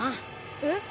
えっ？